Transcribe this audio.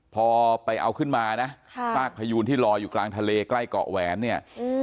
พอไปเอาขึ้นมานะค่ะซากพยูนที่ลอยอยู่กลางทะเลใกล้เกาะแหวนเนี่ย